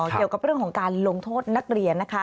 เกี่ยวกับเรื่องของการลงโทษนักเรียนนะคะ